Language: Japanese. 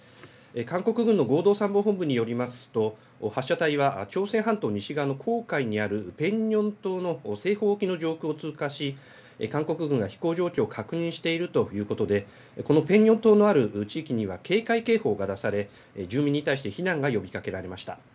韓国軍の合同参謀本部によりますと発射体は朝鮮半島西側の黄海にあるペンニョン島の西方沖の上空を通過し、韓国軍が飛行状況を確認しているということでこのペンニョン島のある地域には警戒警報が出され住民に対して避難が呼びかけられました。